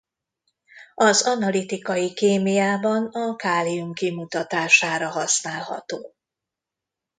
Az analitikai kémiában a kálium kimutatására használható.